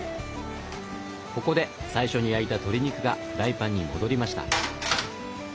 ここで最初に焼いた鶏肉がフライパンに戻りました。